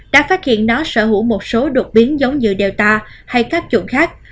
đã phát hiện nó sở hữu một số đột biến giống như delta hay các chuộng khác